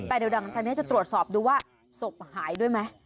แต่เดี๋ยวหลังจากนี้จะตรวจสอบดูว่าศพหายด้วยไหม